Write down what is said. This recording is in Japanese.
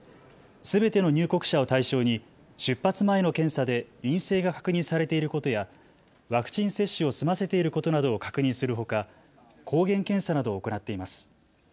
全ての入国者を対象に出発前の検査で陰性が確認されていることやワクチン接種を済ませていることなどを確認するほか抗原検査などを行っています。